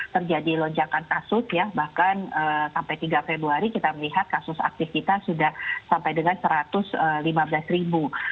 terjadi lonjakan kasus ya bahkan sampai tiga februari kita melihat kasus aktif kita sudah sampai dengan satu ratus lima belas ribu